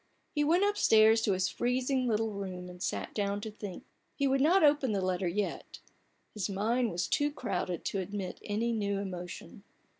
He went upstairs to his freezing little room, and sat down to think. He would not open the letter yet : his mind was too crowded to admit any new emotion.